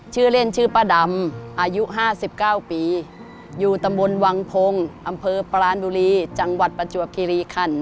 ชื่อเล่นชื่อป้าดำอายุ๕๙ปีอยู่ตำบลวังพงศ์อำเภอปรานบุรีจังหวัดประจวบคิริคัน